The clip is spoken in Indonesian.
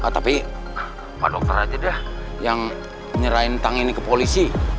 tapi pak dokter aja deh yang nyerahin tang ini ke polisi